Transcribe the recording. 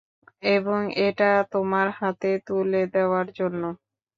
এবং, এটা তোমার হাতে তুলে দেওয়ার জন্য!